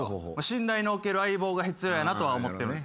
信頼の置ける相棒が必要やなとは思ってるんですけどね。